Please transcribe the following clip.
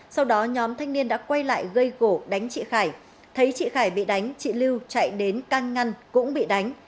sau đó nhóm thanh niên đã quay lại gây gỗ đánh chị khải thấy chị khải bị đánh chị lưu chạy đến can ngăn cũng bị đánh